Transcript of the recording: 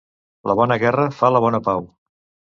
La bona guerra fa la bona pau.